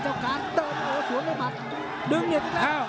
ดึงอย่างนี้แล้วเอาเอาเอาเอาเอาลงอยู่แล้ว